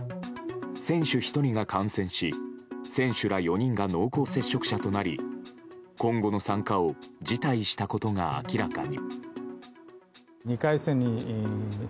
選手１人が感染し選手ら４人が濃厚接触者となり今後の参加を辞退したことが明らかに。